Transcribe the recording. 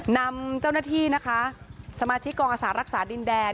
นำเจ้าหน้าที่นะคะสมาชิกกองอาสารักษาดินแดน